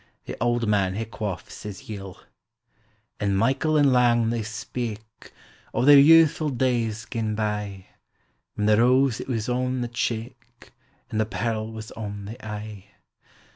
The auld man he quaffs his y ill. An' meikle an' lang they sj>eak ()' their youthful days gane by, When the rose it was on the cheek, An' the pearl was on the eye!